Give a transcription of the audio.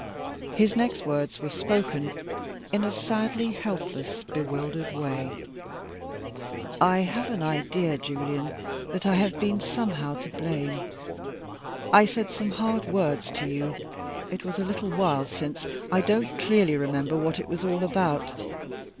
His next words were spoken in a sadly helpless, bewildered way. "I have an idea, Julian, that I have been somehow to blame. I said some hard words to you. It was a little while since. I don't clearly remember what it was all about.